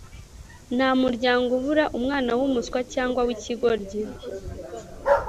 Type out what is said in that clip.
Nta muryango ubura umwana wumuswa cyangwa wikigoryi